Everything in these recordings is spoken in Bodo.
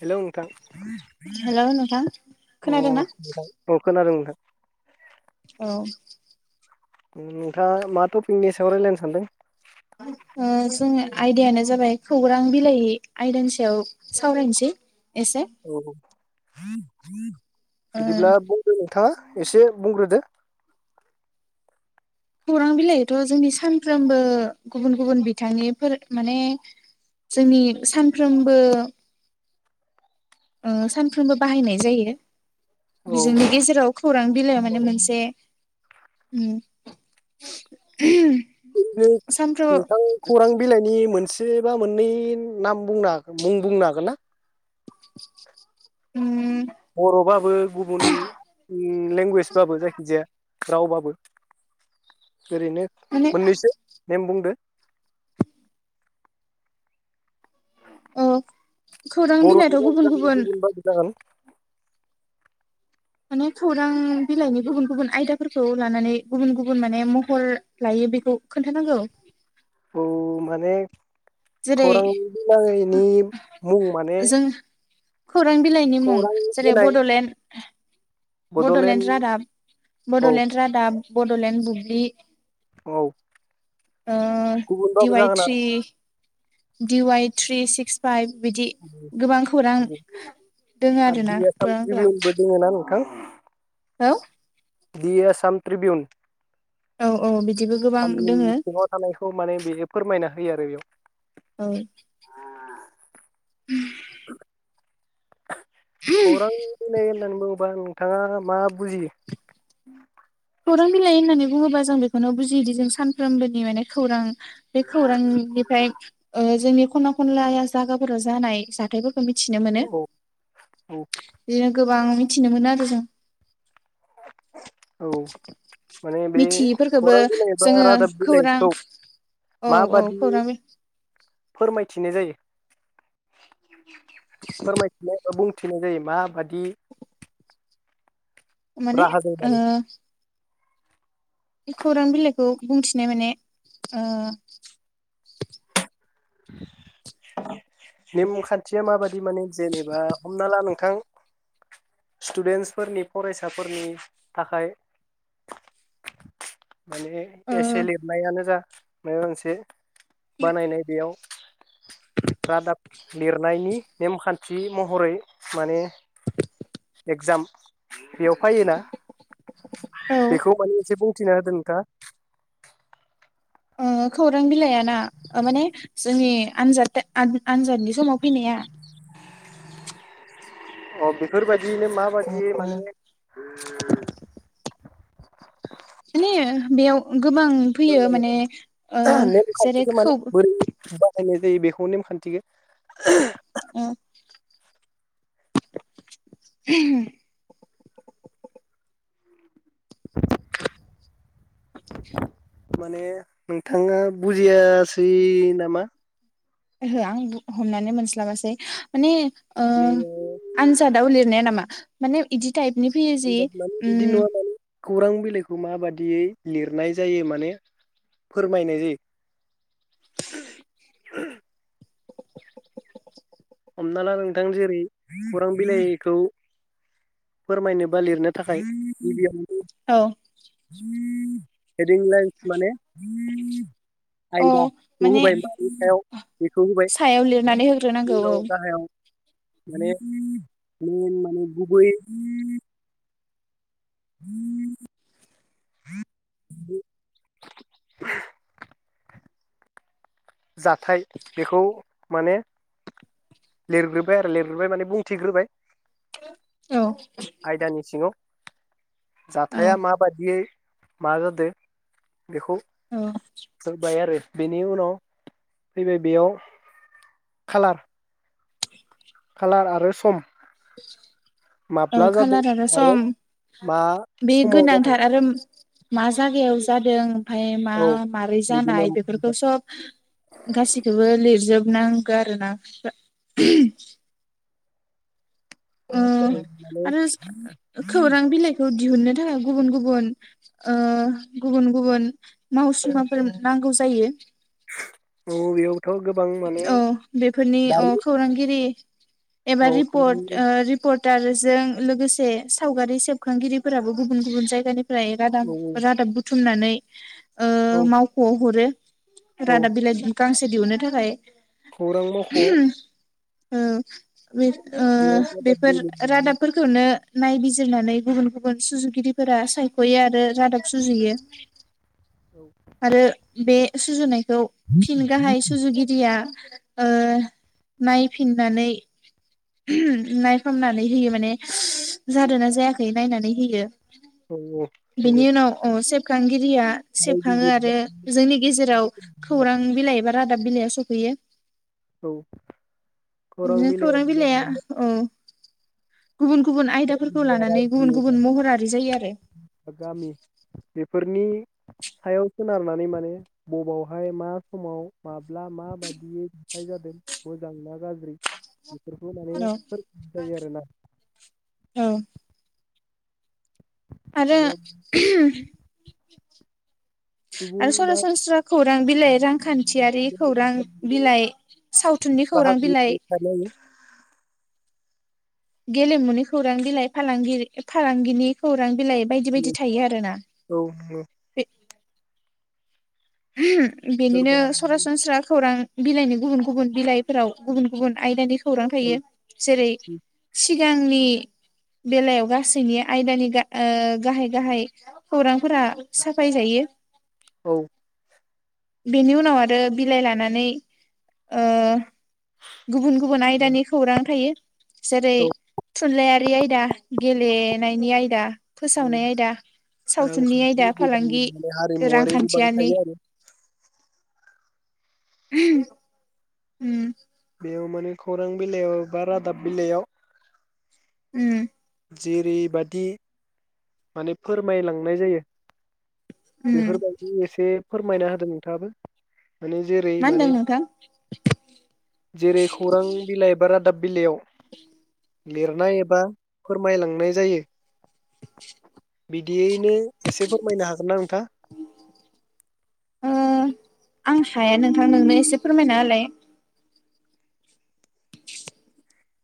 हेलौ नोंथां हेलौ नोंथां अ खोनादोंना अ खोनादों [unintelligible] औ नोंथाङा मा टपिकनि सायाव रायज्लायनो सानदों ओ [unintelligible] आयदायानो जाबाय खौरां बिलाइ आयदानि सायाव सावरायनोसै एसे औ [unintelligible] ओ बिदिब्ला बुंदो नों थाङा एसे बुंग्रोदो खौरां बिलाइथ जोंनि सानफ्रोमबो गुबुन गुबुन बिथांनिफोर माने जोंनि सानफ्रोमबो सानफ्रोमबो बाहायनाय जायो औ बिजोंनि गेजेराव खौरां बिलाइ माने मोनसे उ [unintelligible] नोंथां खौरां बिलाइनि मोनसे मोनसे बा मोननै नाम मुं बुंनो हागोन ना उम बरबाबो गुबुन लेंगुवेजबाबो जायखिजाया रावबाबो ओरैनो माने मोननैसो नेम बुंदो औ खौरां बिलाइथ बर'निबो गुबुन जागोन गुबुन गुबुनबाबो जागोन माने खौरां बिलाइनि गुबुन गुबुन आयदाफोरखौ लानानै गुबुन गुबुन माने महर लायो बेखौ खोन्थानांगौ औ माने जेरै खौरां बिलानि मुं माने जों खौरां बिलाइनि मुं खौरां जेरै होनाय बडलेण्ड बडलेण्ड रादाब औ बडलेण्ड रादाब बडलेण्ड बुब्लि औ दि गुबुनबाबो वाइ जागोन थ्रि दि वाइ थ्रि सिक्स फाइभ बिदि गोबां खौरां आरो दङ आरो दि आरोना आसाम खौरांफोरा ट्रिबिउनबो दोङोना नोंथां औ। दि आसाम ट्रिबियउन। औ औ बिदिबो गोबां दोङो। सिङाव थानायखौ माने बे फोरमायना होयो आरो बेयाव। औ। [unintelligible] खौरां नैहोनानै। बुंबा नोंथाङा मा बुजियो। खौरां बिलाइ होननानै बुङोबा जों बेखौनो बुजियोदि जों सानफ्रोमबोनि माने खौरां। बे खौरांनिफ्राय ओ जोंनि। खना खनलाया जागाफोराव जानाय जाथायफोरखौ। खो मिथिनो मोनो। औ औ बे आग गोबां मिथिनो मोनो आरो जों। औ माने बे मिथियैफोरखौबो खौरां बिलाइ बा जोङो रादाब खौरां बिलाइखौ औ औ माबादि खौरां फोरमायथिनाय जायो। फोरमायथिलाय ओ बुं। थेनाय जायो मा बादि माने ओ। बे खौरां बिलाइखौ बुंथिनाय माने ओ नेमखान्थिया माबादि माने जेनेबा हमना ला नोंथां। सिथुडेन्टसफोरनि फरायसाफोरनि थाखाय माने ओ औ एसे लेदनायानो जा मायबा मोनसे बानायनाय बेयाव रादाब लिरनायनि नेमखान्थि महरै माने जाम बेयाव फायोना बेखौ माने जेबो थिना दोन था ओ खौरां बिलाइआ ना ओ माने जोंनि आजाद आद आनजादनि समाव फैनाया? अ' बेफोरबायद दिनो माबादि माने माने ओ बेयाव उम फोरमायनो [unintelligible] नेम जेरै खाान्थिखौ खौ माने बोरै बाहायनाय जायो बेख खौ नेम खान्थि गाय ओ। [inaudible] माने नोंथाङा बुजियासै नामा? ओहो आं बु हमनानै मोनस्लाबासै माने ओ माने आनजादाव लिरनाया नामा? माने इदि टाइपनि फैयो जि आनजाद माने उनाव बिदि उम नङा माने खौरां बिलाइखौ माबादियै लिरनाय जायो माने फोरमायनाय जायो। हमना ला नोंथां जेरै खौरां बिलाइखौ फोरमायनोबा लिरनो थाखाय गिबिआवनो। औ हेदिं लाइन्स [inaudible] अ आयदाखौ माने होबाय मारि सायाव बेखौ होबाय सायाव लिरनानै होग्रोनांगौ उनाव गाहायाव माने [unintelligible] गुबै [inaudible] जाथाय बेखौ माने लिरग्रोबाय आरो लिरग्रोबाय माने बुंथिग्रोबाय औ । आयदानि सिङाव औ जाथाया माबादियै मा जादों बेखौ होबाय आरो बेनि उनाव फैबाय बेयाव खालार, खालार आरो सम । औ कालार आरो सम मा बे समाव जादों गोनांथार आरो मा जागायाव जादों, ओमफाय मा औ मारै जानाय बिदिनो बेफोरखौ सब गासिखौबो लिरजोब नांगोन आरो ना। ओ माने आरो खौरां बिलाइखौ दिहुननो थाखाय गुबुन गुबुन ओ गुबुन गुबुन मावसुमाफोर नांगौ जायो। औ बेयाव औ बेफोरनि औ दानि खौरांगिरि एबार औ खौरां रिपर्ट ओ रिपर्ट दारजों लोगोसे सावगारि सेबखांगिरिफोराबो गुबुन गुबुन जायगानि फ्राय रादाब औ औ रादाब बु थुमनानै औ ओ मावख'वाव हरो । औ रादाब बिलाइ जों गांसे दिहुननो थाखाय खौरां मावख' औ । बे ओ बेफोर बेयो रादाबफोरखौनो नायबिजिरनानै गुबुन गुबुन सुजुगिरिफोरा सायख'यो आरो रादाब सुजुयो । औ आरो बे सुजुनाय खौ फिन गाहाय गिरिया ओ नायफिननानै नायफामनानै होयो माने जादों ना जायाखै नायनानै होयो औ । नंगौ बिनिउनाव अ सेब [unintelligible] गिरिया सेबखांओ रायजो आरो जोंनि गेजेराव खौरां बिलाय रादाब बिलाइआ सफैयो औ बिदिनो खौरां बिलाइआ औ गुबुन गुबुन आयदाफोरखौ लानानै गुबुन रायजो गुबुन महरारि जायो आरो गामि । बेफोरनि सायाव सोनारनानै माने बबावहाय मा समाव माब्ला माबायदियै नुथाय जादों मोजां ना गाज्रि बेफोरखौ माने आरो औ फोरमायनाय जायो आरोना । औ आरो बेयाव सुबुं आरो बा सरासनस्रा खौरां बिलाइ रांखान्थियारि खौरां बिलाइ सावथुननि खौरां बाहागो बिलाइ थानाय औ गेलेमुनि खौरां बिलाइ फालांगिरि फालांगिनि खौरां बिलाइ बायदि बायदि थायो आरोना । नंगौ बे बिनिनो सोरबा सरासनस्रा खौरां बिलाइनि गुबुन गुबुन बिलाइफोराव गुबुन गुबुन आयदानि खौरां थायो जेरै सि सिगांनि बेलायाव गासैनि आयदानि ओ गाहाय गाहाय खौरांफोरा साफायजायो । औ बेनि उनाव आरो बिलाइ लानानै ओ गुबुन गुबुन आयदानि खौरां थायो । जेरै औ थुनलाइयारि आयदा गेलेनायनि आयदा औ फोसावनाय आयदा सावथुननि रांखान्थि आयदा गोबां फालांगि माने हारिमुवारि गोबां रांखान्थियानि थायो [inaudible] आरो उम बेयाव माने खौरां बिलाइयाव बा रादाब बिलाइयाव उम जेरैबादि माने फोरमायलांनाय जायो उम बेफोरबायदि एसे फोरमायना होदों नोंथाङाबो। माने जेरै मा होनदों माने नोंथां जेरै खौरां बिलाइ बा रादाब बिलायाव लिरनाय एबा फोरमाय लांनाय जायो बिदियैनो एसे फोरमायनो हागोनना नोंथाङा? ओ आं हाया नोंथां नोंनो एसे फोरमायनाहोलाय।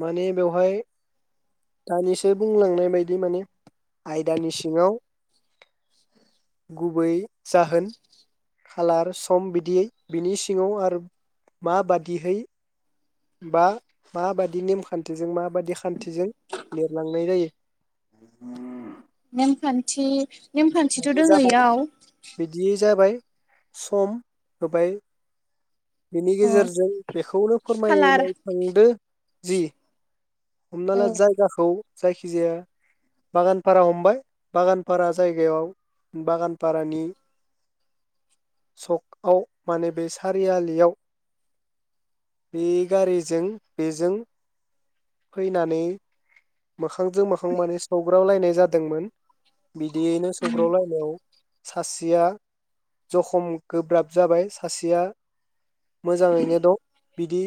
माने बेवहाय दानिसो बुंलांनाय बायदि माने आयदानि सिङाव गुबै जाहोन खालार सम बिदियै बिनि सिङाव आरो माबादिहै बा माबादि नेमखान्थिजों माबादि खान्थिजों लिरलांनायजायो। नेम खान्थि नेमखान्थिथ ' बे दङो जाबाय इयाव बिदियै जाबाय सम होबाय। बिनि अ गेजेरजों बेखौनो खालार फोरमायनाय थांदो। जि। औ हमनाला जायगाखौ। जायखिजाया बागानफारा हमबाय बागानफारा जाय गायाव बागानफारानि सकआव माने बे सारियालियाव बे गारिजों बेजों फैनानै। मोखांजों मोखां माने सौग्रावलायनाय। जादोंमोन। बिदियैनो उम सौग्राव लायनायाव। सासेया जखम गोब्राब जाबाय सासेया मोजाङैनो दं बिदि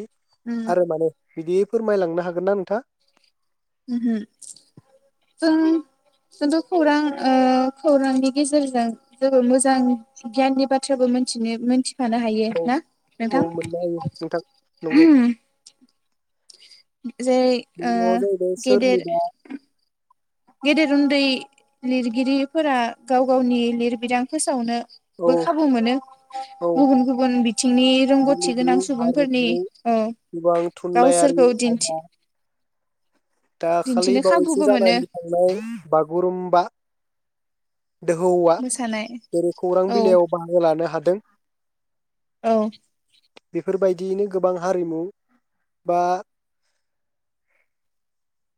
उम आरोमाने गिदिद। फोरमायलांनो हागोनना नोंथाङा। उमहो जों जोंथ खौरां ओह खौरांनि गेजेरजों जोङो मोजां गियाननि बाथ्राबो मोनथिनो मोनथि थानोहायो औ ना नोंथां औ मोननो हायो नोंथां नंगौ उमह। [inaudible] जेरै ओ मुङाव जाहैबाय गेदेर। सोरनिबा गेदेर उन्दै लिरगिरिफोरा गाव गावनि लिरबिदां फोसावनो। औ बो खाबुमोनो औ गुबुन गुबुन बिथिंनि गेलेमु रोंगौथिगोनां सुबुंफोरनि हारिमु औ गोबां थुनलाइयारि गावसोरखौ आयदा दिन्थि दाखालि दिन्थिनो बावैसो खाबुबो मोनो जानाय [unintelligible] [unintelligible] बागुरुम। बा। दोहौआ मोसानाय जेरै खौरां औ बिलाइयाव बाहागो लानो हादों। औ। फोरबायदियैनो गोबां हारिमु बा।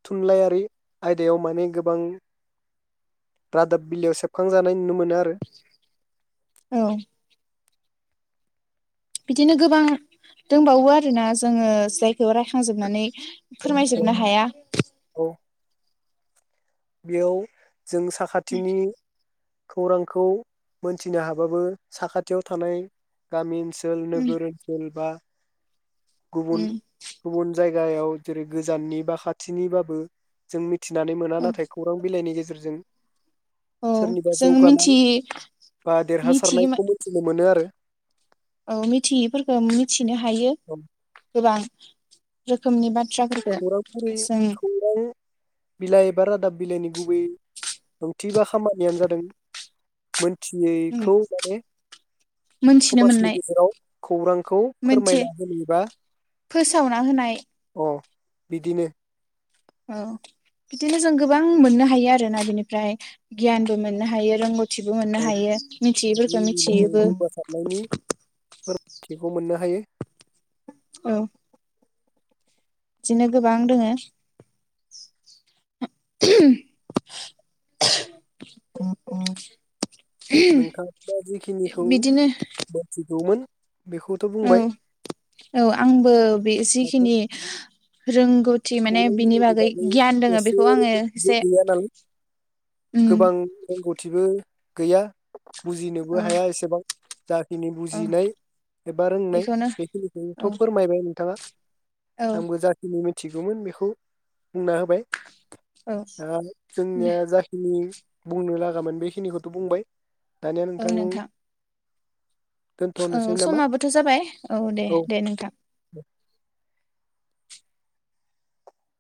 थुनलाइयारि आयदायाव माने गोबां रादाब बिलाइयाव सेबखांजानाय नुनोमोन मोनो आरो औ बिदिनो गोबां दंबावो आरोना जोङो जाय बेयाव रायखांजोबनानै फोरमायजोबनो हाया औ बेयाव जों साखाथिनि खौरांखौ मोनथिनो हाबाबो साखाथियाव थानाय गामि ओनस सोल उम नोगोर ओनसोल बा गुबुन उम गुबुन जायग जायगायाव जेरै गोजाननि बा खाथिनिबाबो जों मिथ थिनानै मोना औ नाथाय बिलाइनि गेजेरजों औ सोरनिबा जोङो जौगानाय मिथियै बा मिथियै देरहासारनायखौ मोनथिनो मोनो आरो औ मिथियिफोरखौ मिथि फिनो हायो औ गोबां रोखोमनि बाद थ्राफोरखो खौरां बिलाइ जों खौरां बिलाइ एबा रादाब बिलाइनि गुबै ओंथि बा खामानियानो जादों मोन उम थियैखौ माने मोनथिनो समाजनि मोननाय गेजेराव खौरांखौ मोनसे फोरमायना होनि बा फोसावना होनाय अ बिदिनो औ बिदिनो जों गोबां मोननो हायो आरोना बिनिफ्राय गियानबो मोननो हायो रोंगथ थिबो मोननो औ हायो बिदि मिथियैफोरखौ मिथियोबो थिखौ मोननो हायो औ बिदिनो गोबां दोङो ओहम [unintelligible] नोंथाङा दा जिखिनिखौ मोनथिगौमोन बेखौथ' बुंबाय औ-औ आंबो बे जिखिनि रोंगौथ खौरांगिरिनि बादि एसे आङो रोंगौथिबो एसे गैया नालाय उम गोबां रोंगौथिबो बो गैया बुजिनोबो औ हाया एसेबां जाखिनि औ बुजिनाय एबा रोंनाय बेखौनो बेखिनिखौथ औ फोरमायबाय नोंथाङा औ आंबो जाखिनि मिथ थिगौमोन बेखौ बुंना होबाय औ ओ जोंनिया जाखिनि बुंनो लागामोन बेखिनिखौथ' बुंबाय। दानिया नोंथां औ दोनथ'नोसै नामा समाबोथ' जाबाय औ दे-दे नोंथां।